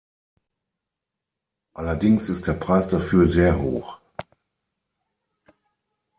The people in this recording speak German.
Allerdings ist der Preis dafür sehr hoch.